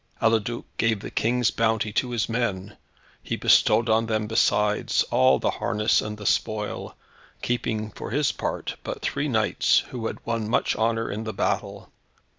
Eliduc gave the King's bounty to his men. He bestowed on them besides, all the harness and the spoil; keeping, for his part, but three knights, who had won much honour in the battle.